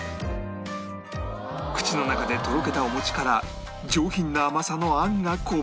口の中でとろけたお餅から上品な甘さの餡がこぼれ